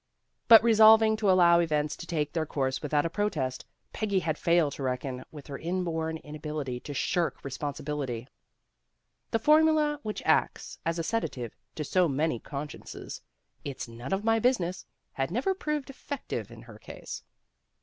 But resolving to allow events to take their course without a protest, Peggy had failed to reckon with her 'inborn inability to shirk re sponsibility. The formula which acts as a sedative to so many consciences, "It's none of my business, " had never proved effective in her case.